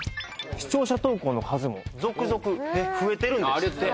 視聴者投稿の数も続々増えてるんですって・